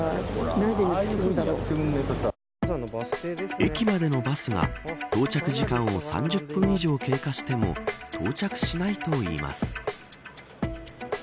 駅までのバスが、到着時間を３０分以上経過しても到着しないといいます。